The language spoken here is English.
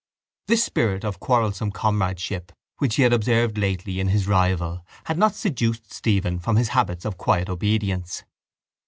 This spirit of quarrelsome comradeship which he had observed lately in his rival had not seduced Stephen from his habits of quiet obedience.